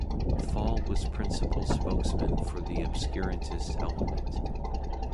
Fall was principal spokesman for the obscurantist element.